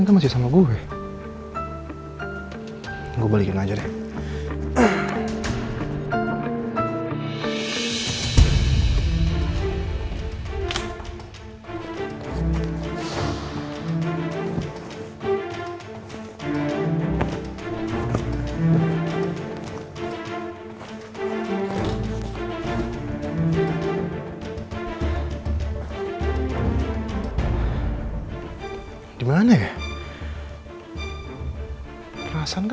lebih baik gue siap lipat di burung